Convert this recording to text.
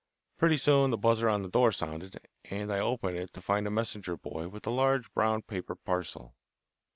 Pretty soon the buzzer on the door sounded, and I opened it to find a messenger boy with a large brown paper parcel.